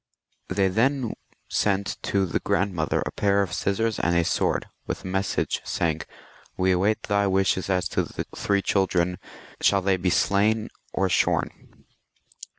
They then sent to the grandmother a pair of scissors and a sword, with a message, saying, " "We await thy wishes as to the three children ; shall they be slain or shorn